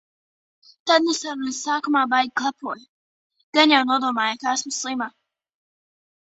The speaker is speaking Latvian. Tad nu sarunas sākumā baigi klepoju. Gan jau nodomāja, ka esmu slima.